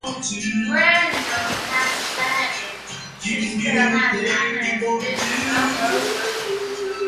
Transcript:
"Variety" noted: "High Society should spell high finance business all over.